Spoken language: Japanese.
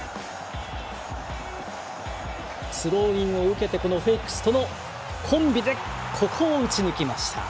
スローイングを受けてフェリックスとのコンビで、ここを打ち抜きました。